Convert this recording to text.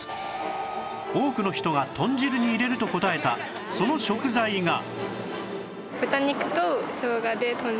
多くの人が豚汁に入れると答えたその食材が